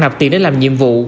nạp tiền để làm nhiệm vụ